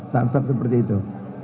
saat saat seperti itu